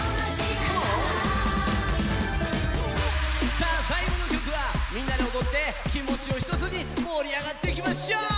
さあさい後の曲はみんなでおどって気もちをひとつに盛り上がっていきましょう！